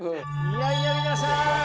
いやいや皆さん